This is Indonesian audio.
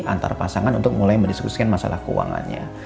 antar pasangan untuk mulai mendiskusikan masalah keuangannya